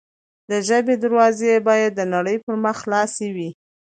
د ژبې دروازې باید د نړۍ پر مخ خلاصې وي.